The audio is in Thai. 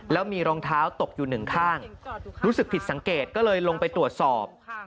แล้วมีรองเท้าตกอยู่หนึ่งข้างรู้สึกผิดสังเกตก็เลยลงไปตรวจสอบ